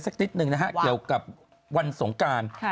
สักนิดหนึ่งนะฮะเกี่ยวกับวันสงการ